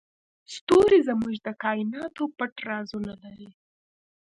ستوري زموږ د کایناتو پټ رازونه لري.